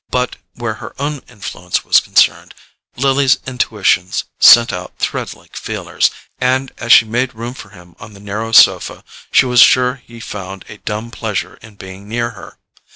But, where her own influence was concerned, Lily's intuitions sent out thread like feelers, and as she made room for him on the narrow sofa she was sure he found a dumb pleasure in being near her.